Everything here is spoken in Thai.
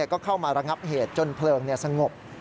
ก็เข้ามาระงับเหตุจนเพลิงสงบ